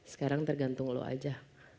sekarang tergantung lo aja